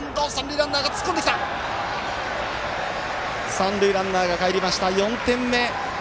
三塁ランナーがかえりました、４点目。